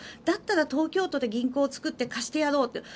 だったら東京都で銀行を作って貸してやろうと。